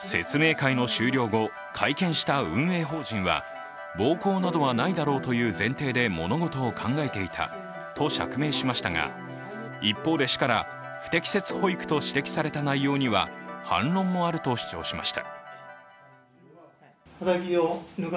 説明会の終了後、会見した運営法人は、暴行などはないだろうという前提で物事を考えていたと釈明しましたが一方で、市から不適切保育と指摘された内容には反論もあると主張しました。